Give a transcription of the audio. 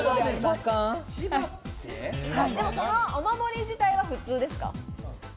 そのお守り自体は普通です。